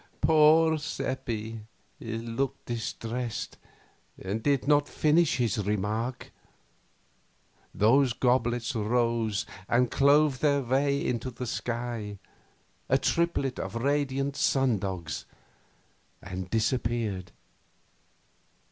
Poor Seppi looked distressed, and did not finish his remark. The goblets rose and clove their way into the sky, a triplet of radiant sundogs, and disappeared.